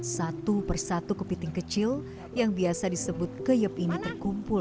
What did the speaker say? satu persatu kepiting kecil yang biasa disebut keyep ini terkumpul